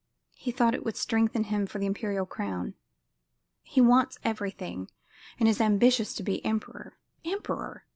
He thought it would strengthen him for the imperial crown. He wants everything, and is ambitious to be emperor. Emperor!